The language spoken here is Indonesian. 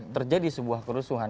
terjadi sebuah kerusuhan